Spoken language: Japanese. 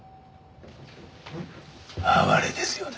哀れですよね。